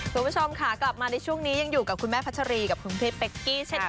คุณผู้ชมค่ะกลับมาในช่วงนี้ยังอยู่กับคุณแม่พัชรีกับคุณพี่เป๊กกี้เช่นกัน